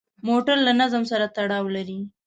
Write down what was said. موټر له نظم سره تړاو لري.